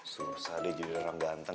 susah dia jadi orang ganteng